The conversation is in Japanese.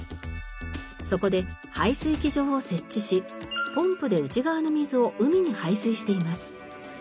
そこで排水機場を設置しポンプで内側の水を海に排水しています。